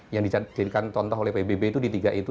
yang dijadikan contoh oleh pbb itu di tiga itu